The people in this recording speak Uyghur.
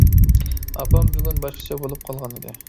ئاپام بۈگۈن باشقىچە بولۇپ قالغان ئىدى.